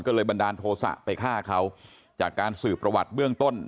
ก็เลยบันดาลโทษะไปฆ่าเขาจากการสืบประวัติเบื้องต้น